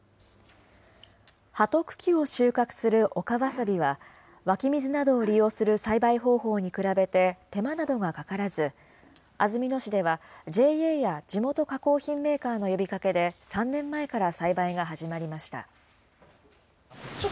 葉と茎を収穫する陸わさびは、湧き水などを利用する栽培方法に比べて手間などがかからず、安曇野市ではＪＡや地元加工品メーカーの呼びかけで、３年前から栽培が始まりました。